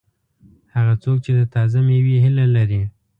هغه څوک چې د تازه مېوې هیله لري.